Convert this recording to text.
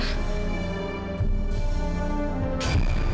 kamu udah pulang zahira